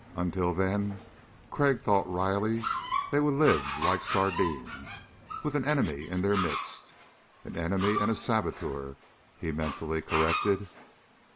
Until then, Crag thought wryly, they would live like sardines with an enemy in their midst. An enemy and a saboteur, he mentally corrected.